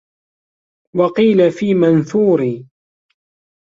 وَقِيلَ فِي مَنْثُورِ